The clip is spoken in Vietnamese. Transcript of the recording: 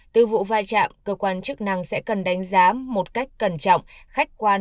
từ vụ vai trạm cơ quan chức năng sẽ cần đánh giá một cách cẩn trọng khách quan